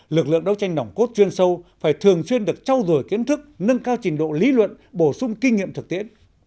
lực lượng đấu tranh nồng cốt chuyên sâu phải thường xuyên được trao dồi kiến thức nâng cao trình độ lý luận bổ sung kinh nghiệm thực tiễn